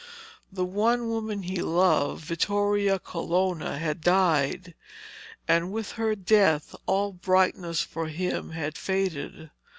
The one woman he loved, Vittoria Colonna, had died, and with her death all brightness for him had faded.